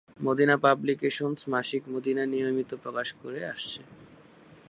Madina publications মাসিক মদীনা নিয়মিত প্রকাশ করে আসছে।